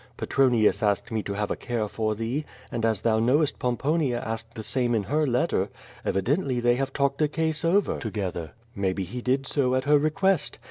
Petronius asked me to have a care for thee, and as thou knowest Pomponia asked the same in her letter— evidently they have talked the case over together. Maybe he did so at her request.